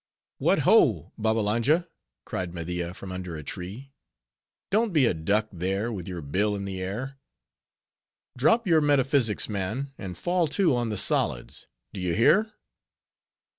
"What, ho! Babbalanja!" cried Media from under a tree, "don't be a duck, there, with your bill in the air; drop your metaphysics, man, and fall to on the solids. Do you hear?"